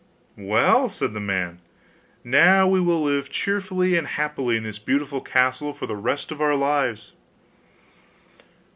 'Well,' said the man, 'now we will live cheerful and happy in this beautiful castle for the rest of our lives.